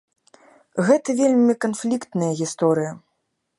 Гэта вельмі канфліктная гісторыя.